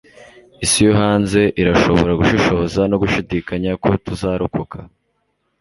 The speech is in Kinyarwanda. isi yo hanze irashobora gushishoza no gushidikanya ko tuzarokoka